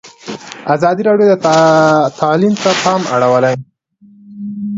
ازادي راډیو د تعلیم ته پام اړولی.